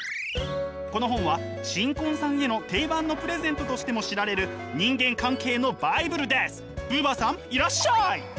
この本は新婚さんへの定番のプレゼントとしても知られるブーバーさんいらっしゃい！